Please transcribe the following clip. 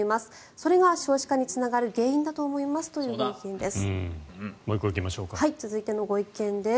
それが少子化につながる原因だと思いますという意見です。